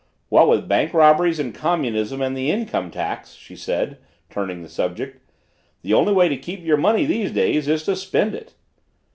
"What with bank robberies and communism and the income tax," she said, turning the subject, "the only way to keep your money these days is to spend it."